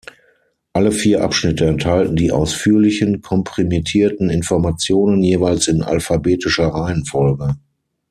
Alle vier Abschnitte enthalten die ausführlichen, komprimierten Informationen jeweils in alphabetischer Reihenfolge.